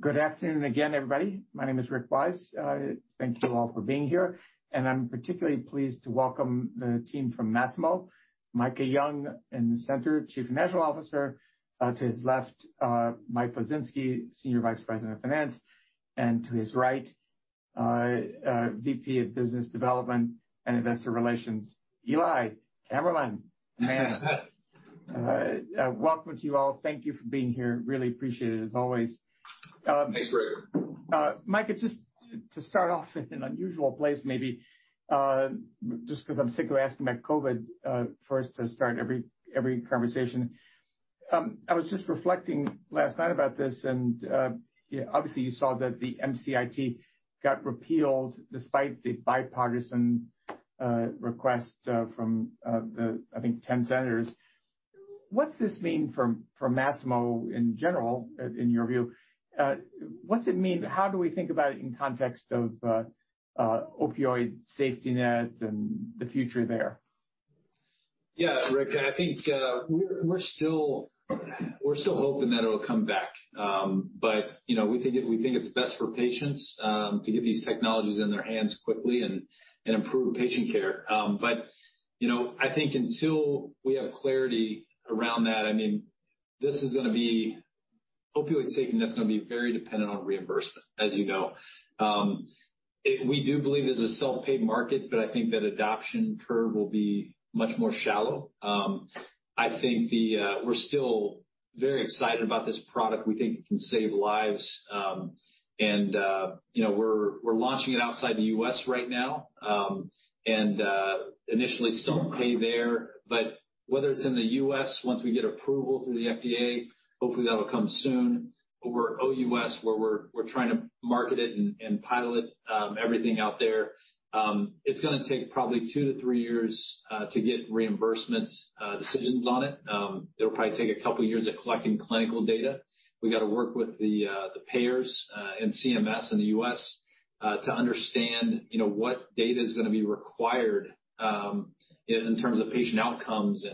Good afternoon again, everybody. My name is Rick Wise. Thank you all for being here. And I'm particularly pleased to welcome the team from Masimo, Micah Young in the center, Chief Financial Officer, to his left, Mike Poznanski, Senior Vice President of Finance, and to his right, VP of Business Development and Investor Relations, Eli Kammerman. Welcome to you all. Thank you for being here. Really appreciate it, as always. Thanks, Rick. Micah, just to start off in an unusual place, maybe, just because I'm sick of asking about COVID first to start every conversation. I was just reflecting last night about this, and obviously, you saw that the MCIT got repealed despite the bipartisan request from the, I think, 10 senators. What's this mean for Masimo in general, in your view? What's it mean? How do we think about it in context of Opioid SafetyNet and the future there? Yeah, Rick, I think we're still hoping that it'll come back. But we think it's best for patients to get these technologies in their hands quickly and improve patient care. But I think until we have clarity around that, I mean, this is going to be Opioid SafetyNet's going to be very dependent on reimbursement, as you know. We do believe there's a self-pay market, but I think that adoption curve will be much more shallow. I think we're still very excited about this product. We think it can save lives. And we're launching it outside the U.S. right now and initially self-pay there. But whether it's in the U.S., once we get approval through the FDA, hopefully that'll come soon, or OUS, where we're trying to market it and pilot everything out there. It's going to take probably two to three years to get reimbursement decisions on it. It'll probably take a couple of years of collecting clinical data. We got to work with the payers and CMS in the U.S. to understand what data is going to be required in terms of patient outcomes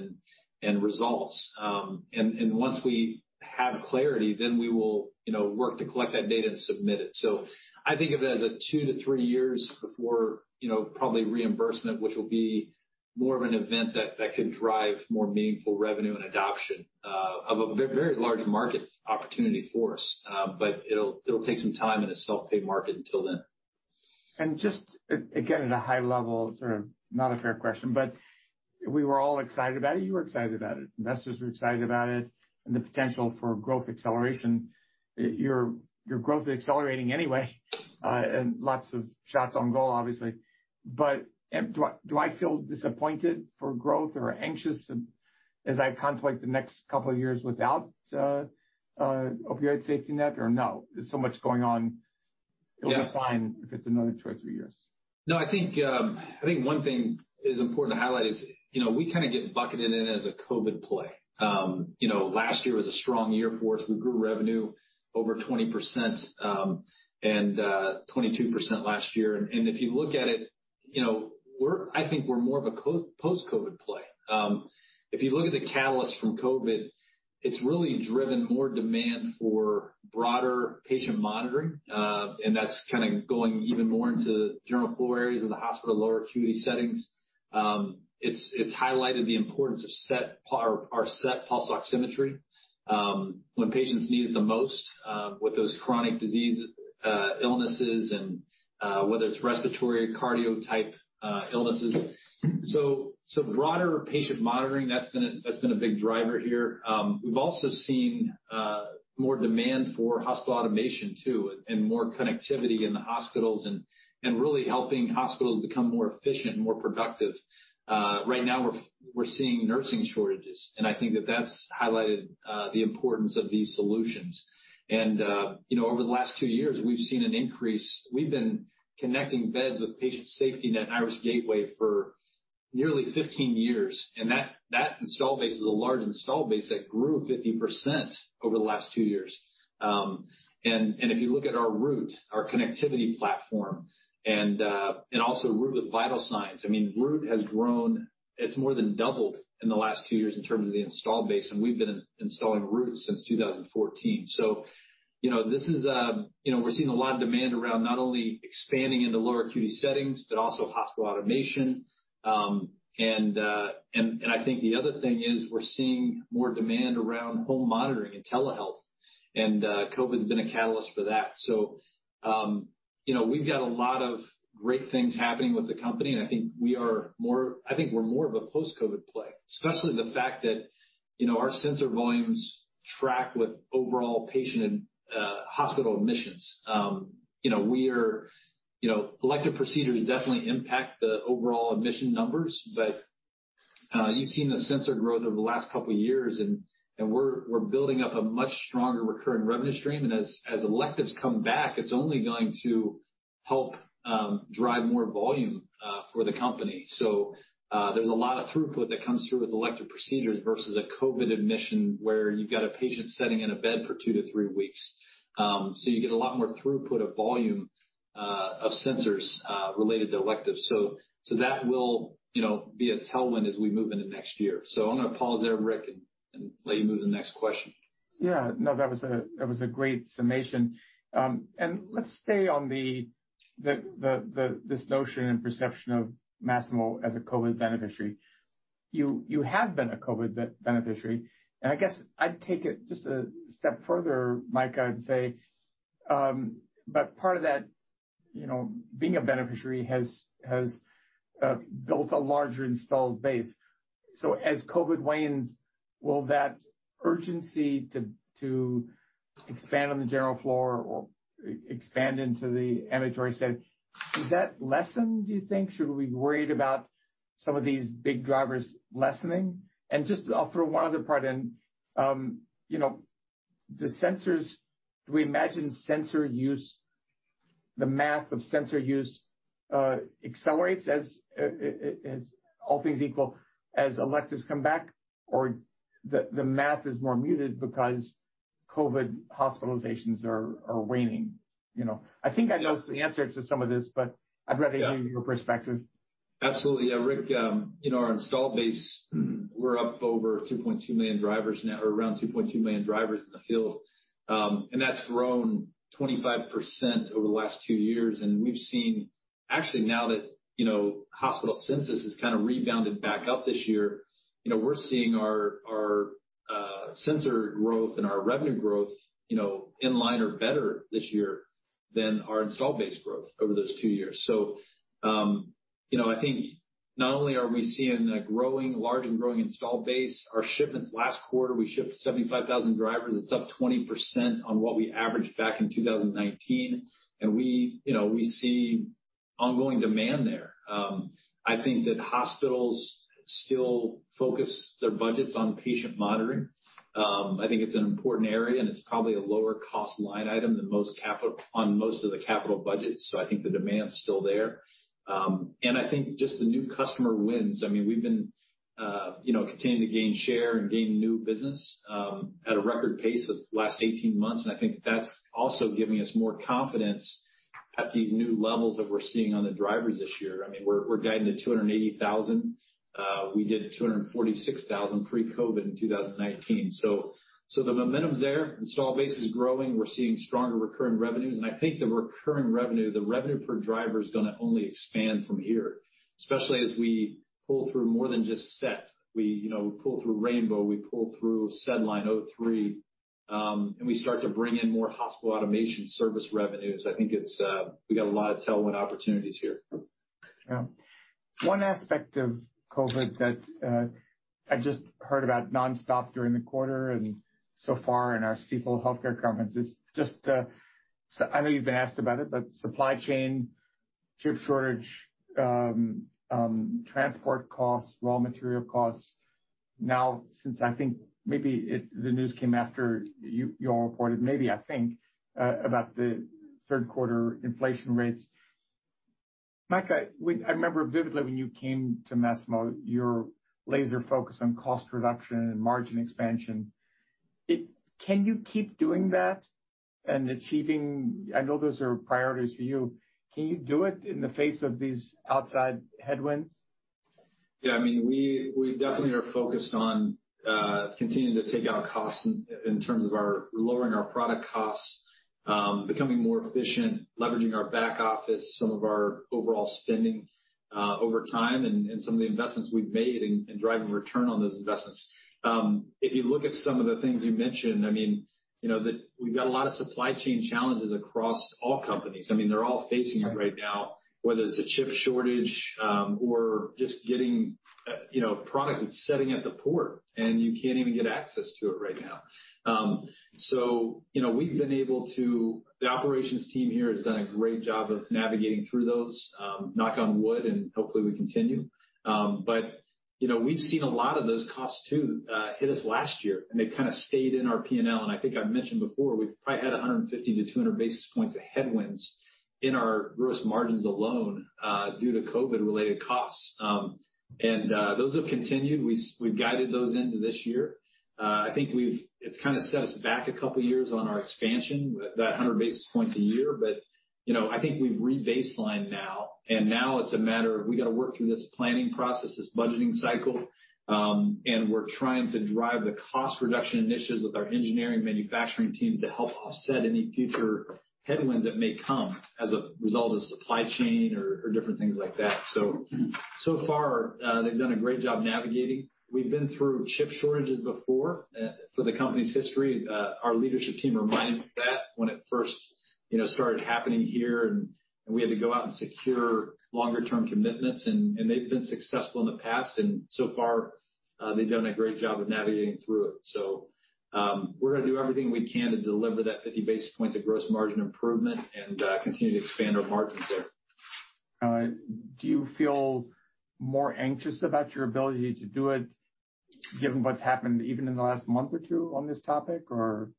and results, and once we have clarity, then we will work to collect that data and submit it, so I think of it as a two to three years before probably reimbursement, which will be more of an event that could drive more meaningful revenue and adoption of a very large market opportunity for us, but it'll take some time in a self-pay market until then. And just again, at a high level, sort of not a fair question, but we were all excited about it. You were excited about it. Investors were excited about it and the potential for growth acceleration. Your growth is accelerating anyway, and lots of shots on goal, obviously. But do I feel disappointed for growth or anxious as I contemplate the next couple of years without Opioid SafetyNet? Or no, there's so much going on. It'll be fine if it's another two or three years. No, I think one thing is important to highlight is we kind of get bucketed in as a COVID play. Last year was a strong year for us. We grew revenue over 20% and 22% last year, and if you look at it, I think we're more of a post-COVID play. If you look at the catalyst from COVID, it's really driven more demand for broader patient monitoring, and that's kind of going even more into the general floor areas of the hospital, lower acuity settings. It's highlighted the importance of our SET pulse oximetry when patients need it the most with those chronic disease illnesses, and whether it's respiratory, cardio-type illnesses, so broader patient monitoring, that's been a big driver here. We've also seen more demand for hospital automation too and more connectivity in the hospitals and really helping hospitals become more efficient and more productive. Right now, we're seeing nursing shortages. And I think that that's highlighted the importance of these solutions. And over the last two years, we've seen an increase. We've been connecting beds with Patient SafetyNet and Iris Gateway for nearly 15 years. And that install base is a large install base that grew 50% over the last two years. And if you look at our Root, our connectivity platform, and also Root with vital Signs, I mean, Root has grown. It's more than doubled in the last two years in terms of the install base. And we've been installing Root since 2014. So this is we're seeing a lot of demand around not only expanding into lower acuity settings, but also hospital automation. And I think the other thing is we're seeing more demand around home monitoring and telehealth. And COVID's been a catalyst for that. So we've got a lot of great things happening with the company. And I think we're more of a post-COVID play, especially the fact that our sensor volumes track with overall patient and hospital admissions. Elective procedures definitely impact the overall admission numbers. But you've seen the sensor growth over the last couple of years. And we're building up a much stronger recurring revenue stream. And as electives come back, it's only going to help drive more volume for the company. So there's a lot of throughput that comes through with elective procedures versus a COVID admission where you've got a patient sitting in a bed for two to three weeks. So you get a lot more throughput of volume of sensors related to electives. So that will be a tailwind as we move into next year. So I'm going to pause there, Rick, and let you move to the next question. Yeah. No, that was a great summation. And let's stay on this notion and perception of Masimo as a COVID beneficiary. You have been a COVID beneficiary. And I guess I'd take it just a step further, Micah, and say, but part of that being a beneficiary has built a larger installed base. So as COVID wanes, will that urgency to expand on the general floor or expand into the ambulatory setting, is that lessened, do you think? Should we be worried about some of these big drivers lessening? And just I'll throw one other part in. Do we imagine sensor use, the math of sensor use accelerates as all things equal as electives come back, or the math is more muted because COVID hospitalizations are waning? I think I know the answer to some of this, but I'd rather hear your perspective. Absolutely. Yeah, Rick, our install base, we're up over 2.2 million drivers now, or around 2.2 million drivers in the field, and that's grown 25% over the last two years, and we've seen, actually, now that hospital census has kind of rebounded back up this year, we're seeing our sensor growth and our revenue growth in line or better this year than our install base growth over those two years, so I think not only are we seeing a growing, large and growing install base, our shipments last quarter, we shipped 75,000 drivers, it's up 20% on what we averaged back in 2019, and we see ongoing demand there. I think that hospitals still focus their budgets on patient monitoring. I think it's an important area, and it's probably a lower-cost line item than most capital on most of the capital budgets, so I think the demand's still there. And I think just the new customer wins. I mean, we've been continuing to gain share and gain new business at a record pace of the last 18 months. And I think that's also giving us more confidence at these new levels that we're seeing on the drivers this year. I mean, we're guiding to 280,000. We did 246,000 pre-COVID in 2019. So the momentum's there. Install base is growing. We're seeing stronger recurring revenues. And I think the recurring revenue, the revenue per driver is going to only expand from here, especially as we pull through more than just SET. We pull through Rainbow. We pull through SedLine, O3. And we start to bring in more hospital automation service revenues. I think we got a lot of tailwind opportunities here. Yeah. One aspect of COVID that I just heard about nonstop during the quarter and so far in our Stifel Healthcare Conference is just I know you've been asked about it, but supply chain, chip shortage, transport costs, raw material costs. Now, since I think maybe the news came after you all reported, maybe, I think, about the third quarter inflation rates. Micah, I remember vividly when you came to Masimo, your laser focus on cost reduction and margin expansion. Can you keep doing that and achieving? I know those are priorities for you. Can you do it in the face of these outside headwinds? Yeah. I mean, we definitely are focused on continuing to take out costs in terms of lowering our product costs, becoming more efficient, leveraging our back office, some of our overall spending over time, and some of the investments we've made and driving return on those investments. If you look at some of the things you mentioned, I mean, we've got a lot of supply chain challenges across all companies. I mean, they're all facing it right now, whether it's a chip shortage or just getting product that's sitting at the port, and you can't even get access to it right now. So we've been able to, the operations team here has done a great job of navigating through those, knock on wood, and hopefully we continue. But we've seen a lot of those costs too hit us last year. And they've kind of stayed in our P&L. I think I've mentioned before, we've probably had 150-200 basis points of headwinds in our gross margins alone due to COVID-related costs. Those have continued. We've guided those into this year. I think it's kind of set us back a couple of years on our expansion, that 100 basis points a year. I think we've re-baselined now. Now it's a matter of we got to work through this planning process, this budgeting cycle. We're trying to drive the cost reduction initiatives with our engineering and manufacturing teams to help offset any future headwinds that may come as a result of supply chain or different things like that. So far, they've done a great job navigating. We've been through chip shortages before for the company's history. Our leadership team reminded me of that when it first started happening here. And we had to go out and secure longer-term commitments. And they've been successful in the past. And so far, they've done a great job of navigating through it. So we're going to do everything we can to deliver that 50 basis points of gross margin improvement and continue to expand our margins there. Do you feel more anxious about your ability to do it given what's happened even in the last month or two on this topic, or?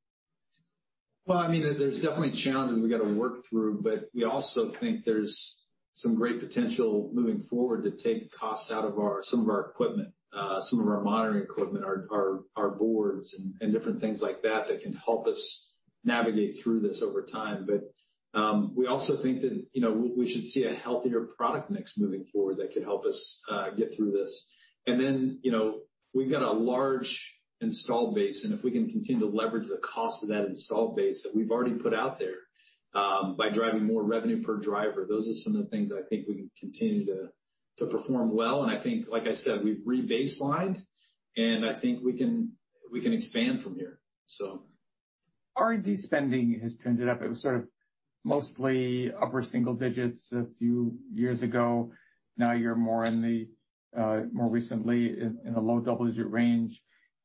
I mean, there's definitely challenges we got to work through, but we also think there's some great potential moving forward to take costs out of some of our equipment, some of our monitoring equipment, our boards, and different things like that that can help us navigate through this over time, but we also think that we should see a healthier product mix moving forward that could help us get through this. Then we've got a large install base, and if we can continue to leverage the cost of that install base that we've already put out there by driving more revenue per driver, those are some of the things I think we can continue to perform well. I think, like I said, we've re-baselined, and I think we can expand from here, so. R&D spending has trended up. It was sort of mostly upper single digits a few years ago. Now you're more recently in the low double-digit range.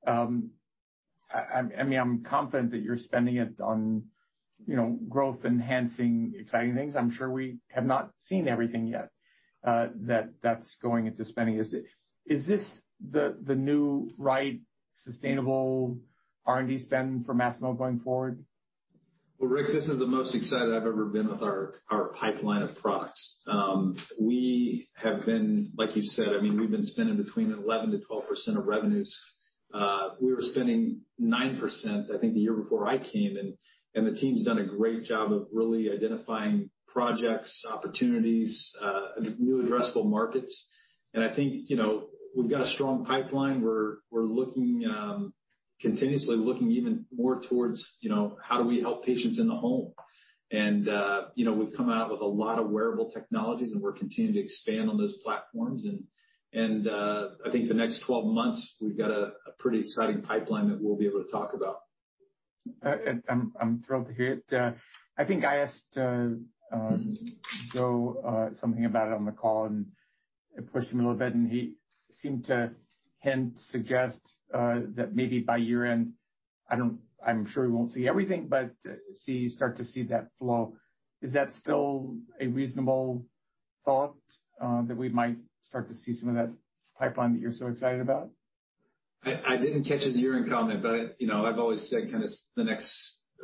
I mean, I'm confident that you're spending it on growth, enhancing, exciting things. I'm sure we have not seen everything yet that's going into spending. Is this the new, right, sustainable R&D spend for Masimo going forward? Rick, this is the most excited I've ever been with our pipeline of products. We have been, like you said, I mean, we've been spending between 11%-12% of revenues. We were spending 9%, I think, the year before I came. And the team's done a great job of really identifying projects, opportunities, new addressable markets. And I think we've got a strong pipeline. We're continuously looking even more towards how do we help patients in the home. And we've come out with a lot of wearable technologies. And we're continuing to expand on those platforms. And I think the next 12 months, we've got a pretty exciting pipeline that we'll be able to talk about. I'm thrilled to hear it. I think I asked Joe something about it on the call, and it pushed him a little bit, and he seemed to hint, suggest that maybe by year-end, I'm sure we won't see everything, but start to see that flow. Is that still a reasonable thought that we might start to see some of that pipeline that you're so excited about? I didn't catch his year-end comment, but I've always said kind of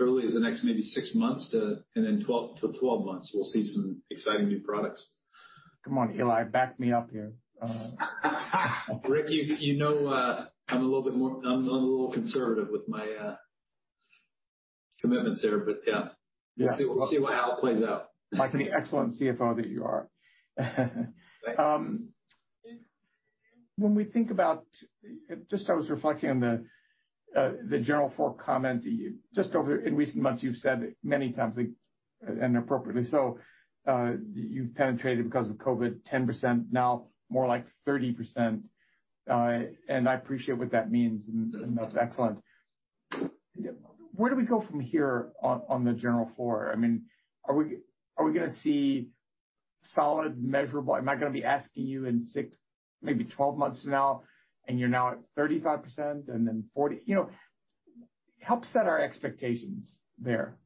early as the next maybe six months to 12 months, we'll see some exciting new products. Come on, Eli, back me up here. Rick, you know I'm a little bit more conservative with my commitments there. But yeah, we'll see how it plays out. Like the excellent CFO that you are. Thanks. When we think about just, I was reflecting on the general floor comment. Just, in recent months, you've said many times and appropriately. You've penetrated because of COVID-19 10%, now more like 30%, and I appreciate what that means, and that's excellent. Where do we go from here on the general floor? I mean, are we going to see solid, measurable? Am I going to be asking you in six, maybe 12 months from now, and you're now at 35% and then 40%? Help set our expectations there.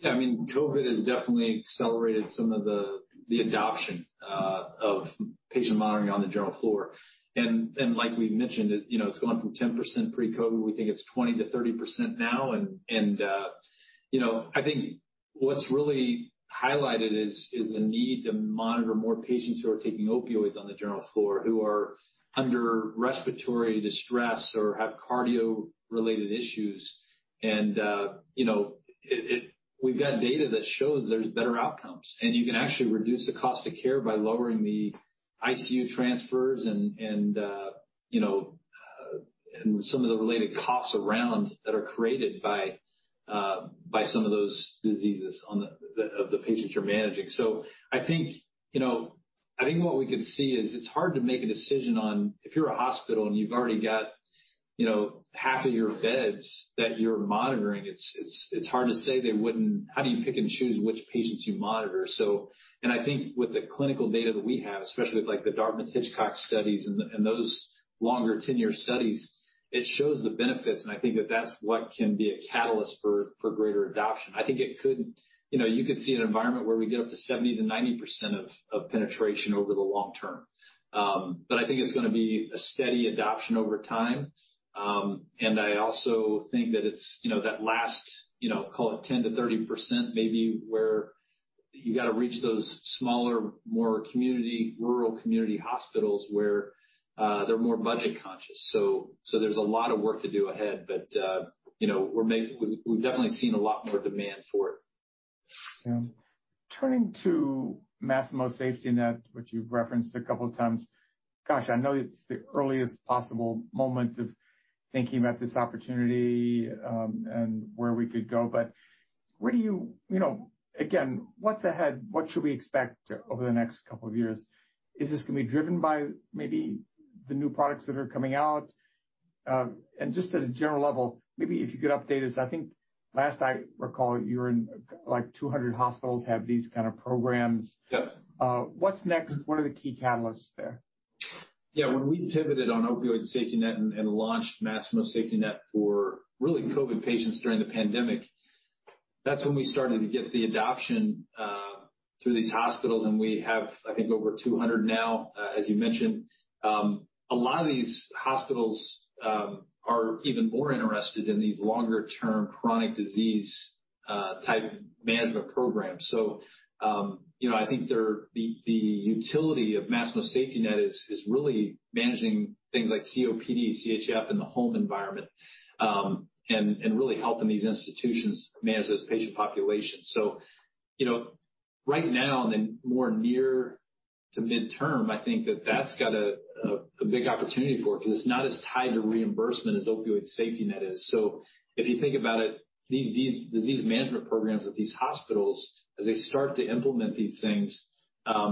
Yeah. I mean, COVID has definitely accelerated some of the adoption of patient monitoring on the general floor. And like we mentioned, it's gone from 10% pre-COVID. We think it's 20%-30% now. And I think what's really highlighted is the need to monitor more patients who are taking opioids on the general floor, who are under respiratory distress or have cardio-related issues. And we've got data that shows there's better outcomes. And you can actually reduce the cost of care by lowering the ICU transfers and some of the related costs around that are created by some of those diseases of the patients you're managing. So, I think what we could see is it's hard to make a decision on if you're a hospital and you've already got half of your beds that you're monitoring. It's hard to say they wouldn't. How do you pick and choose which patients you monitor? And I think with the clinical data that we have, especially with the Dartmouth-Hitchcock studies and those longer 10-year studies, it shows the benefits. And I think that that's what can be a catalyst for greater adoption. I think it could you could see an environment where we get up to 70%-90% of penetration over the long term. But I think it's going to be a steady adoption over time. And I also think that it's that last, call it 10%-30%, maybe where you got to reach those smaller, more community, rural community hospitals where they're more budget conscious. So there's a lot of work to do ahead. But we've definitely seen a lot more demand for it. Yeah. Turning to Masimo SafetyNet, which you've referenced a couple of times. Gosh, I know it's the earliest possible moment of thinking about this opportunity and where we could go. But where do you again, what's ahead? What should we expect over the next couple of years? Is this going to be driven by maybe the new products that are coming out? And just at a general level, maybe if you could update us. I think last I recall, you were in like 200 hospitals have these kind of programs. What's next? What are the key catalysts there? Yeah. When we pivoted on Opioid SafetyNet and launched Masimo SafetyNet for really COVID patients during the pandemic, that's when we started to get the adoption through these hospitals, and we have, I think, over 200 now, as you mentioned. A lot of these hospitals are even more interested in these longer-term chronic disease type management programs. I think the utility of Masimo SafetyNet is really managing things like COPD, CHF, and the home environment and really helping these institutions manage those patient populations, so right now, and then more near to midterm, I think that that's got a big opportunity for it because it's not as tied to reimbursement as Opioid SafetyNet is. If you think about it, these disease management programs with these hospitals, as they start to implement these things,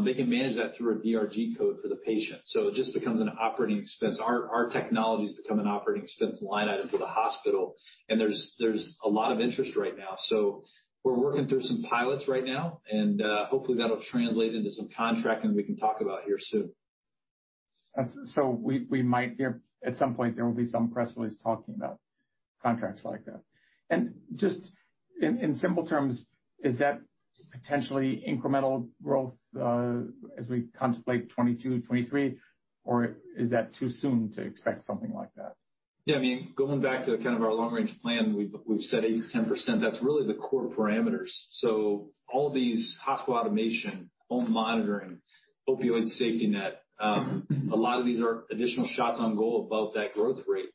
they can manage that through a DRG code for the patient. So it just becomes an operating expense. Our technology has become an operating expense line item for the hospital. And there's a lot of interest right now. So we're working through some pilots right now. And hopefully, that'll translate into some contracting we can talk about here soon. So we might hear at some point there will be some press release talking about contracts like that. And just in simple terms, is that potentially incremental growth as we contemplate 2022, 2023? Or is that too soon to expect something like that? Yeah. I mean, going back to kind of our long-range plan, we've set 8%-10%. That's really the core parameters. So all these hospital automation, home monitoring, Opioid SafetyNet, a lot of these are additional shots on goal above that growth rate.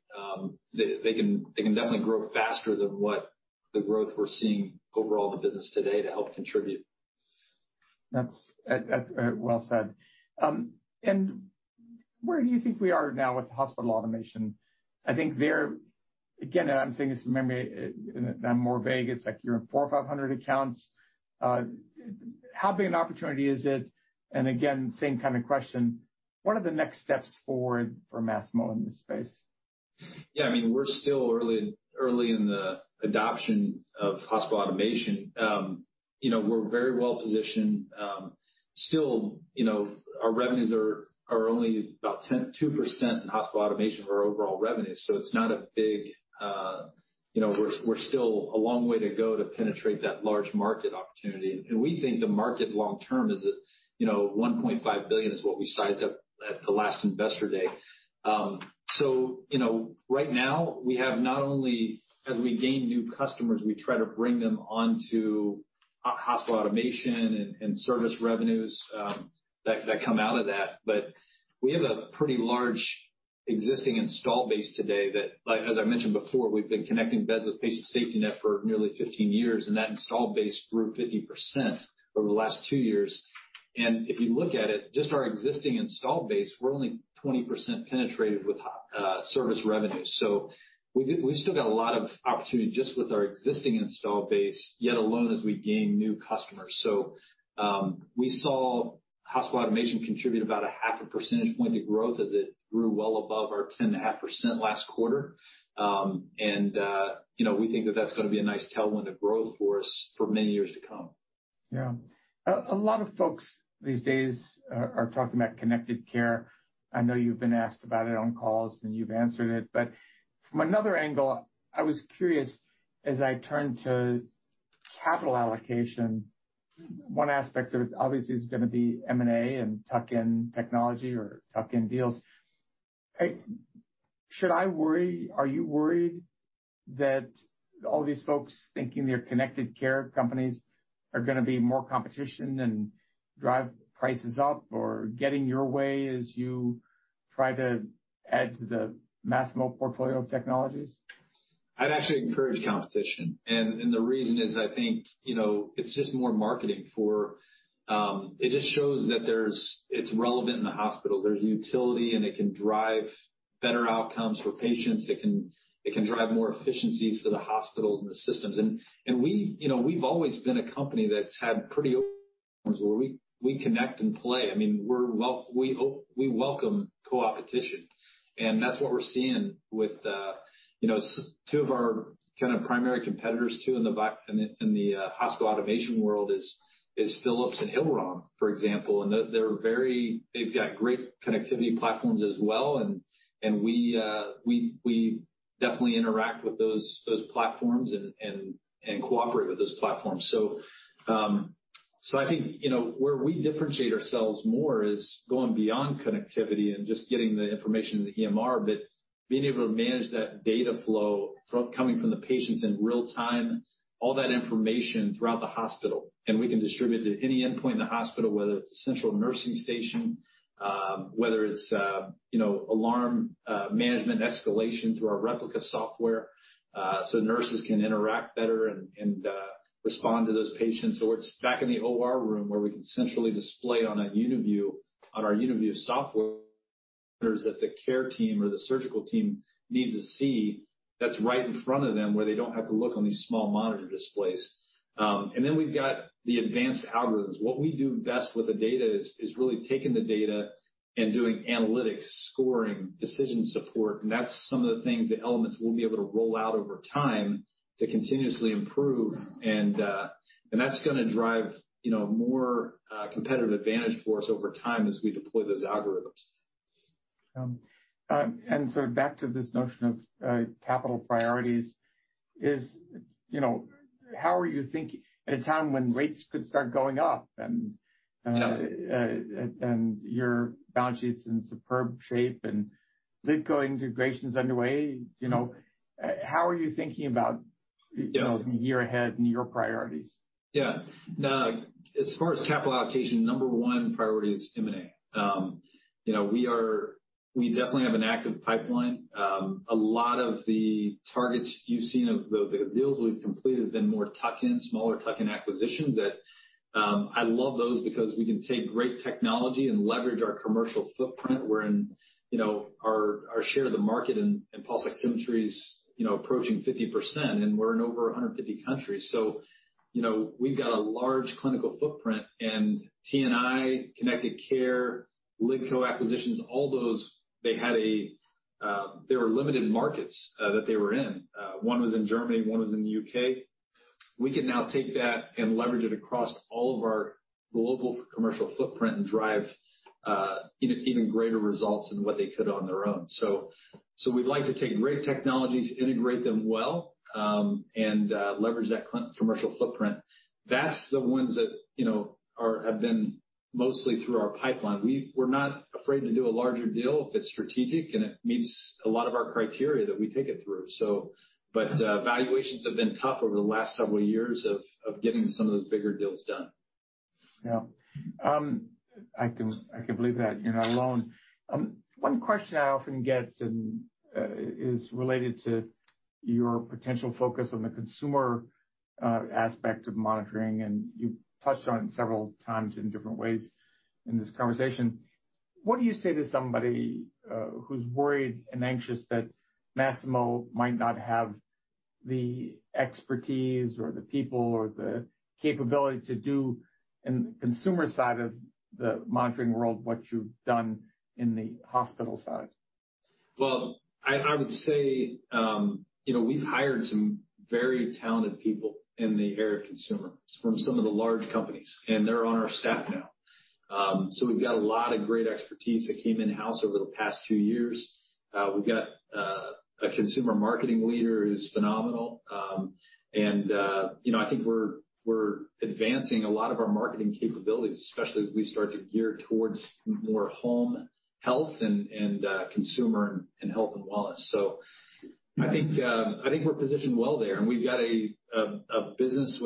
They can definitely grow faster than what the growth we're seeing overall in the business today to help contribute. That's well said, and where do you think we are now with hospital automation? I think there, again, I'm saying this maybe I'm more vague. It's like you're in 4,500 accounts. How big an opportunity is it, and again, same kind of question. What are the next steps forward for Masimo in this space? Yeah. I mean, we're still early in the adoption of hospital automation. We're very well positioned. Still, our revenues are only about 2% in hospital automation of our overall revenue. So it's not a big we're still a long way to go to penetrate that large market opportunity. And we think the market long term is $1.5 billion is what we sized up at the last Investor Day. So right now, we have not only as we gain new customers, we try to bring them onto hospital automation and service revenues that come out of that. But we have a pretty large existing install base today that, as I mentioned before, we've been connecting beds with Patient SafetyNet for nearly 15 years. And that install base grew 50% over the last two years. And if you look at it, just our existing install base, we're only 20% penetrated with service revenue. So we've still got a lot of opportunity just with our existing install base, let alone as we gain new customers. So we saw hospital automation contribute about a half a percentage point to growth as it grew well above our 10.5% last quarter. And we think that that's going to be a nice tailwind of growth for us for many years to come. Yeah. A lot of folks these days are talking about Connected Care. I know you've been asked about it on calls, and you've answered it, but from another angle, I was curious, as I turn to capital allocation, one aspect of it obviously is going to be M&A and tuck-in technology or tuck-in deals. Should I worry? Are you worried that all these folks thinking they're Connected Care companies are going to be more competition and drive prices up or get in your way as you try to add to the Masimo portfolio of technologies? I'd actually encourage competition. And the reason is I think it's just more marketing for it just shows that it's relevant in the hospitals. There's utility. And it can drive better outcomes for patients. It can drive more efficiencies for the hospitals and the systems. And we've always been a company that's had pretty open arms where we connect and play. I mean, we welcome co-opetition. And that's what we're seeing with two of our kind of primary competitors too in the hospital automation world is Philips and Hillrom, for example. And they've got great connectivity platforms as well. And we definitely interact with those platforms and cooperate with those platforms. So I think where we differentiate ourselves more is going beyond connectivity and just getting the information in the EMR, but being able to manage that data flow coming from the patients in real time, all that information throughout the hospital. And we can distribute to any endpoint in the hospital, whether it's a central nursing station, whether it's alarm management escalation through our Replica software so nurses can interact better and respond to those patients. Or it's back in the OR room where we can centrally display on our UniView software that the care team or the surgical team needs to see, that's right in front of them where they don't have to look on these small monitor displays. And then we've got the advanced algorithms. What we do best with the data is really taking the data and doing analytics, scoring, decision support. That's some of the things, the elements we'll be able to roll out over time to continuously improve. That's going to drive more competitive advantage for us over time as we deploy those algorithms. And so back to this notion of capital priorities, how are you thinking at a time when rates could start going up and your balance sheets in superb shape and LiDCO integrations underway? How are you thinking about the year ahead and your priorities? Yeah. Now, as far as capital allocation, number one priority is M&A. We definitely have an active pipeline. A lot of the targets you've seen of the deals we've completed have been more tuck-in, smaller tuck-in acquisitions that I love those because we can take great technology and leverage our commercial footprint. We're in our share of the market in pulse oximetry approaching 50%. We're in over 150 countries. We've got a large clinical footprint. TNI, Connected Care, LiDCO acquisitions, all those, they were limited markets that they were in. One was in Germany. One was in the U.K. We can now take that and leverage it across all of our global commercial footprint and drive even greater results than what they could on their own. We'd like to take great technologies, integrate them well, and leverage that commercial footprint. That's the ones that have been mostly through our pipeline. We're not afraid to do a larger deal if it's strategic and it meets a lot of our criteria that we take it through. But valuations have been tough over the last several years of getting some of those bigger deals done. Yeah, I can believe that you're not alone. One question I often get is related to your potential focus on the consumer aspect of monitoring, and you touched on it several times in different ways in this conversation. What do you say to somebody who's worried and anxious that Masimo might not have the expertise or the people or the capability to do in the consumer side of the monitoring world what you've done in the hospital side? I would say we've hired some very talented people in the area of consumer from some of the large companies, and they're on our staff now, so we've got a lot of great expertise that came in-house over the past two years. We've got a consumer marketing leader who's phenomenal, and I think we're advancing a lot of our marketing capabilities, especially as we start to gear towards more home health and consumer and health and wellness, so I think we're positioned well there, and we've got a business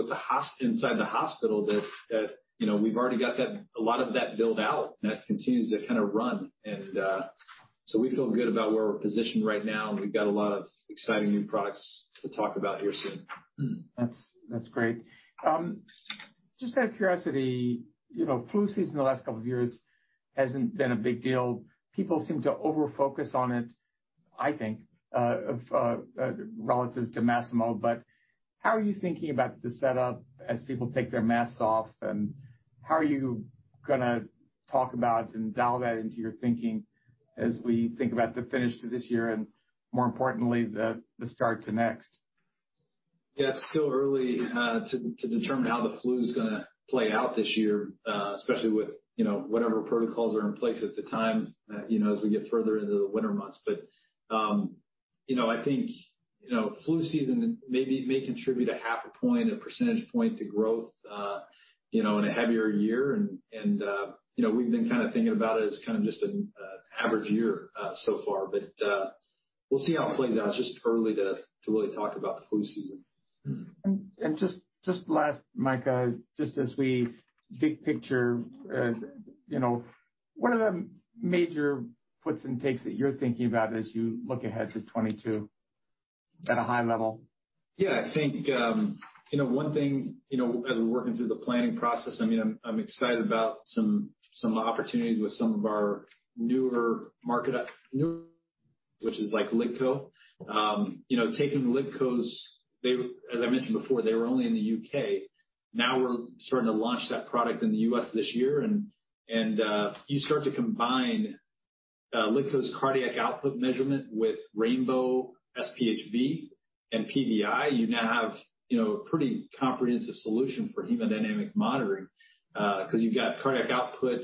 inside the hospital that we've already got a lot of that built out, and that continues to kind of run, and so we feel good about where we're positioned right now, and we've got a lot of exciting new products to talk about here soon. That's great. Just out of curiosity, flu season the last couple of years hasn't been a big deal. People seem to over-focus on it, I think, relative to Masimo. But how are you thinking about the setup as people take their masks off? And how are you going to talk about and dial that into your thinking as we think about the finish to this year and, more importantly, the start to next? Yeah. It's still early to determine how the flu is going to play out this year, especially with whatever protocols are in place at the time as we get further into the winter months. But I think flu season may contribute 0.5 percentage points to growth in a heavier year. And we've been kind of thinking about it as kind of just an average year so far. But we'll see how it plays out. It's just early to really talk about the flu season. And just last, Micah, just as a big picture, what are the major puts and takes that you're thinking about as you look ahead to 2022 at a high level? Yeah. I think one thing as we're working through the planning process, I mean, I'm excited about some opportunities with some of our newer market, which is LiDCO. Taking LiDCO's as I mentioned before, they were only in the U.K. Now we're starting to launch that product in the U.S. this year. And you start to combine LiDCO's cardiac output measurement with Rainbow SpHb and PVi, you now have a pretty comprehensive solution for hemodynamic monitoring because you've got cardiac output,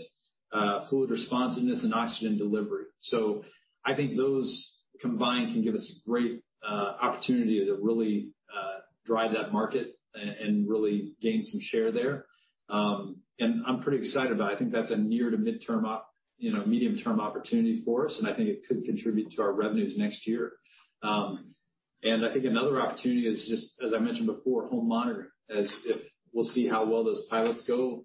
fluid responsiveness, and oxygen delivery. So I think those combined can give us a great opportunity to really drive that market and really gain some share there. And I'm pretty excited about it. I think that's a near to mid-term, medium-term opportunity for us. And I think it could contribute to our revenues next year. And I think another opportunity is just, as I mentioned before, home monitoring. We'll see how well those pilots go,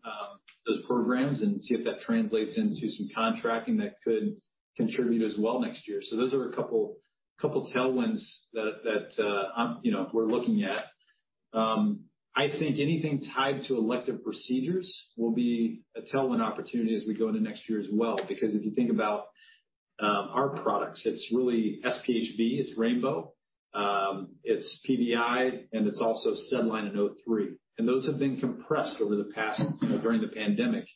those programs, and see if that translates into some contracting that could contribute as well next year. So those are a couple tailwinds that we're looking at. I think anything tied to elective procedures will be a tailwind opportunity as we go into next year as well. Because if you think about our products, it's really SpHb. It's Rainbow. It's PVi. And it's also SedLine and O3, and those have been compressed over the past during the pandemic.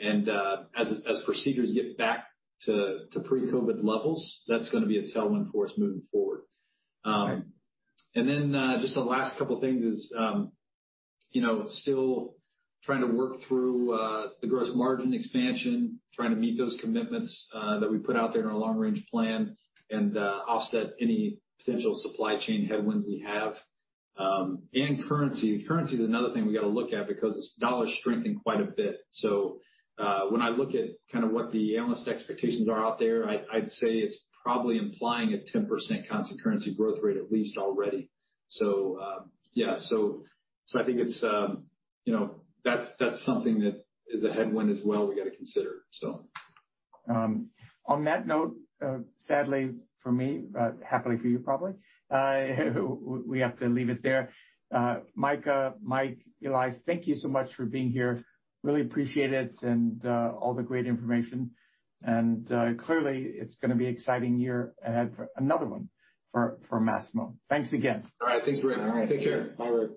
And as procedures get back to pre-COVID levels, that's going to be a tailwind for us moving forward. And then just the last couple of things is still trying to work through the gross margin expansion, trying to meet those commitments that we put out there in our long-range plan and offset any potential supply chain headwinds we have. And currency. Currency is another thing we got to look at because dollar strengthened quite a bit. So when I look at kind of what the analyst expectations are out there, I'd say it's probably implying a 10% constant currency growth rate at least already. So yeah. So I think that's something that is a headwind as well we got to consider, so. On that note, sadly for me, but happily for you probably, we have to leave it there. Micah, Mike, Eli, thank you so much for being here. Really appreciate it and all the great information. And clearly, it's going to be an exciting year ahead for another one for Masimo. Thanks again. All right. Thanks, Rick. Take care. All right.